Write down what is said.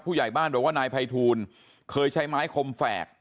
ผู้ใหญ่บ้านบอกว่านายภัยทูลเคยใช้ไม้คมแฝก